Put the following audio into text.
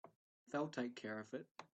They'll take care of it.